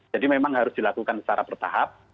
jadi memang harus dilakukan secara bertahap